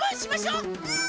うん。